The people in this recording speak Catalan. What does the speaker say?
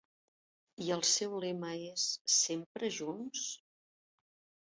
I el seu lema és Sempre Junts?